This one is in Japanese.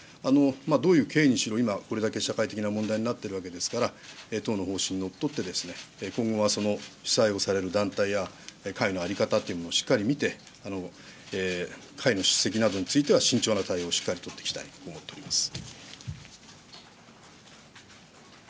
どういう経緯にしろ、今、これだけ社会的問題になっているわけですから、党の方針にのっとって、今後はその主催をされる団体や、会の在り方というのもしっかり見て、会の出席などについては慎重な対応をしっかり取っていきたいと思っております。